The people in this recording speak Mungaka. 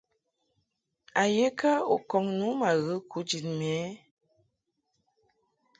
A ye kə u kɔŋ nu ma ghə kujid mɛ ɛ ?